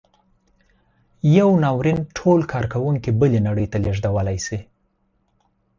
یو ناورین ټول کارکوونکي بلې نړۍ ته لېږدولی شي.